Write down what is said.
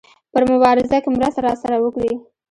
په مبارزه کې مرسته راسره وکړي.